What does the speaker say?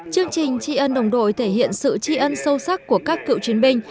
chương trình tri ân đồng đội thể hiện sự tri ân sâu sắc của các cựu chiến binh